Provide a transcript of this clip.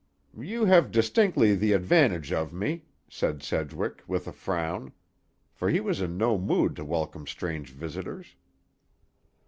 "You have distinctly the advantage of me," said Sedgwick, with a frown; for he was in no mood to welcome strange visitors.